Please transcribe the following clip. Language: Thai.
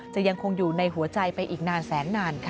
ยังคงอยู่ในหัวใจไปอีกนานแสนนานค่ะ